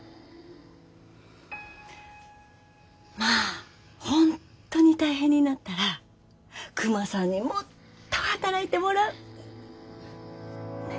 まあ本当に大変になったらクマさんにもっと働いてもらう。ね？